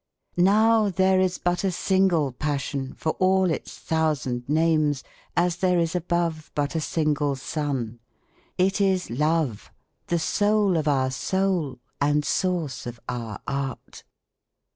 Now there is but a single passion for all its thousand names, as there is above but a single sun. It is love, the soul of our soul and source of our art.